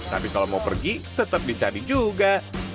tapi kalau mau pergi tetap dicari juga